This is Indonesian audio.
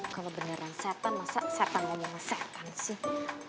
kalo beneran setan masa setan ngomongnya setan sih